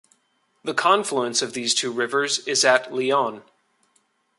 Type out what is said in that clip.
The confluence of these two rivers is at Lyon.